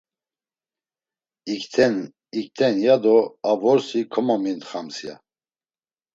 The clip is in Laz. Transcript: İkten, ikten ya do a vorsi komomintxams ya.